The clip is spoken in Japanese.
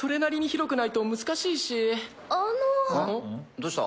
どうした？